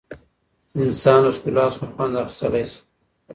انسان له ښکلا څخه خوند اخیستلی شي.